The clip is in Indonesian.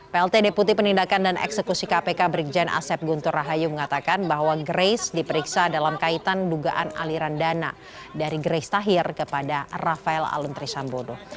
plt deputi penindakan dan eksekusi kpk brigjen asep guntur rahayu mengatakan bahwa grace diperiksa dalam kaitan dugaan aliran dana dari grace tahir kepada rafael aluntri sambodo